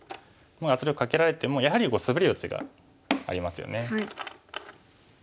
圧力かけられてもやはりスベる余地がありますよね。